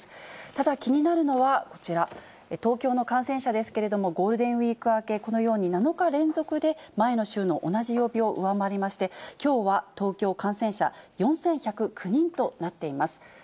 ただ、気になるのはこちら、東京の感染者ですけれども、ゴールデンウィーク明け、このように７日連続で前の週の同じ曜日を上回りまして、きょうは東京感染者、４１０９人となっています。